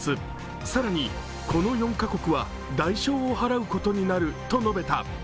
更に、この４カ国は代償を支払うことになると述べた。